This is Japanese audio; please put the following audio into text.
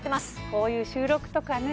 こういう収録とかね